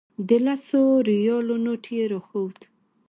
د لسو ریالو نوټ یې راښود.